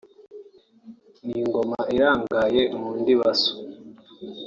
Ni ingoma irangaye mu ndibaso